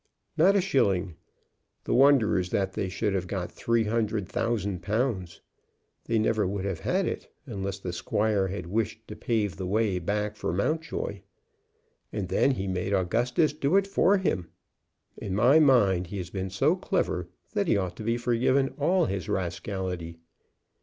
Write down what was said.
"Not a shilling. The wonder is that they should have got three hundred thousand pounds. They never would have had it unless the squire had wished to pave the way back for Mountjoy. And then he made Augustus do it for him! In my mind he has been so clever that he ought to be forgiven all his rascality.